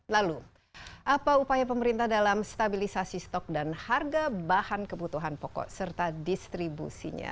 lalu apa upaya pemerintah dalam stabilisasi stok dan harga bahan kebutuhan pokok serta distribusinya